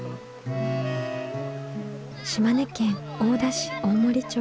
島根県大田市大森町。